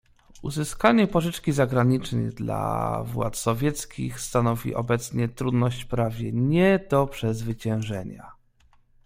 "Uzyskanie pożyczki zagranicznej dla władz sowieckich stanowi obecnie trudność prawie nie do przezwyciężenia."